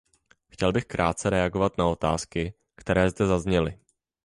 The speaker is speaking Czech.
Chtěl bych krátce reagovat na otázky, které zde zazněly.